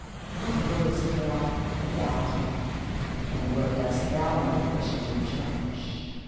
"What would you?" he asked. "And what doest thou in a Christian church?"